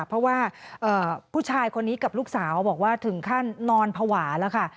เพราะว่าผู้ชายคนนี้กับลูกสาวบอกว่าถึงขั้นนอนภาวะแล้วค่ะ